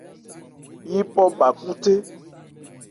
Yípɔ bhā khúthé.